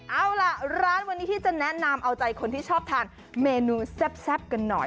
เอาล่ะร้านวันนี้ที่จะแนะนำเอาใจคนที่ชอบทานเมนูแซ่บกันหน่อย